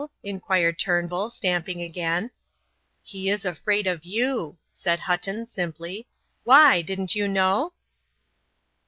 inquired Turnbull, stamping again. "He is afraid of you," said Hutton, simply. "Why, didn't you know?"